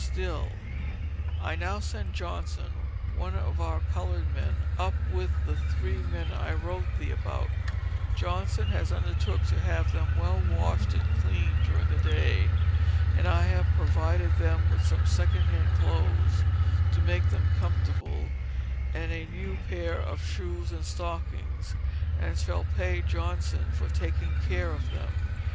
STILL: I now send Johnson, one of our colored men, up with the three men I wrote thee about. Johnson has undertook to have them well washed and cleaned during the day. And I have provided them with some second hand clothes, to make them comfortable, a new pair of shoes and stockings, and shall pay Johnson for taking care of them.